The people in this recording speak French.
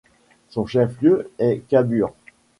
Son chef-lieu est Cabure.